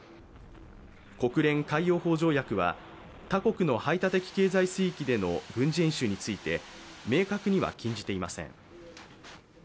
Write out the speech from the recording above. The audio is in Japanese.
国連海洋法条約は他国の排他的経済水域での軍事演習について、明確には禁じていません。